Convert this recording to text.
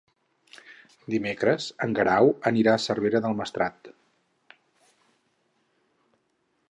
Dimecres en Guerau anirà a Cervera del Maestrat.